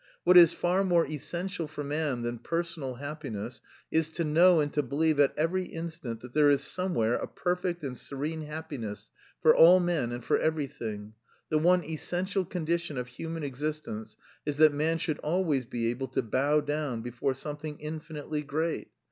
What is far more essential for man than personal happiness is to know and to believe at every instant that there is somewhere a perfect and serene happiness for all men and for everything.... The one essential condition of human existence is that man should always be able to bow down before something infinitely great.